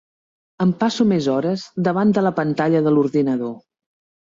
Em passo més hores davant de la pantalla de l'ordinador.